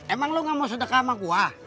emang lo gak mau sedekah sama gue